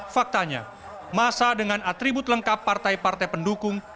faktanya masa dengan atribut lengkap partai partai pendukung